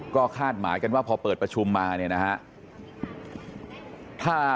ก็คาดหมายกันว่าพอเปิดประชุมมา